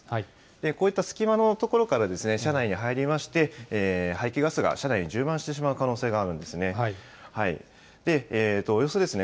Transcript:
こういった隙間の所から、車内に入りまして、排気ガスが車内に充満してしまう可能性があるんですね。